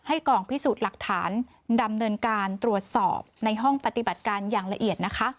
กองพิสูจน์หลักฐานดำเนินการตรวจสอบในห้องปฏิบัติการอย่างละเอียดนะคะ